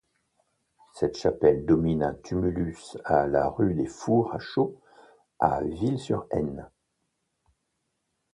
Cette chapelle domine un tumulus à la rue des Fours à Chaux à Ville-sur-Haine.